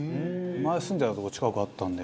前住んでたとこ近くあったんで。